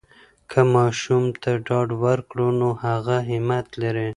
که ماشوم ته ډاډ ورکړو، نو هغه همت لری.